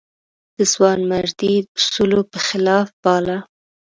د ځوانمردۍ اصولو په خلاف باله.